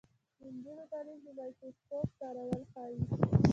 د نجونو تعلیم د مایکروسکوپ کارول ښيي.